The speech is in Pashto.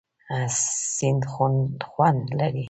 سیند خوند لري.